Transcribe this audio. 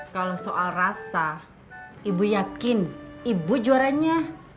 kalau soal rasa ibu yakin ibu juaranya